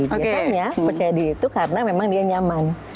biasanya percaya diri itu karena memang dia nyaman